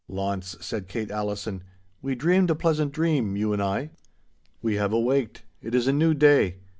'Launce,' said Kate Allison, 'we dreamed a pleasant dream, you and I. We have awaked. It is a new day.